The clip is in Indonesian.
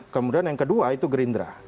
kemudian yang kedua itu gerindra